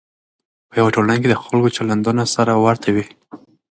په یوه ټولنه کې د خلکو چلندونه سره ورته وي.